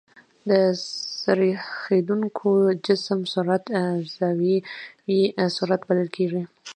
د څرخېدونکي جسم سرعت زاويي سرعت بلل کېږي.